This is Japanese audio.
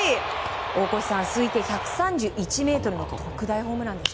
大越さん、推定１３１ｍの特大ホームランでした。